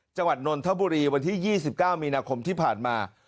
จังหวัดนวลทะบุรีวันที่๒๙มีนาคมที่ผ่านมา